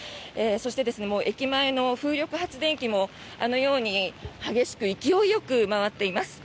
そして、駅前の風力発電機もあのように激しく勢いよく回っています。